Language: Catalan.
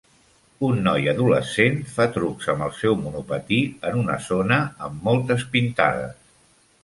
Un noi adolescent fa trucs amb el seu monopatí en una zona amb moltes pintades.